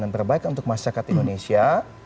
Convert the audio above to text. dan perbaikan untuk masyarakat indonesia